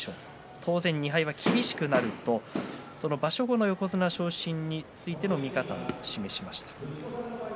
当然２敗は厳しくなると場所後の横綱昇進についての見立てを示しました。